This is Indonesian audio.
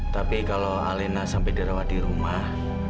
tapi kalau alena sampai dirawat di rumah